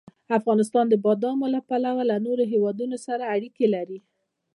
افغانستان د بادامو له پلوه له نورو هېوادونو سره اړیکې لري.